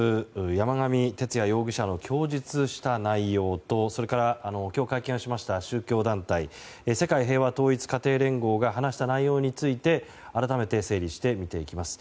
山上徹也容疑者の供述した内容とそれから今日会見しました宗教団体世界平和統一家庭連合が話した内容について改めて整理して見ていきます。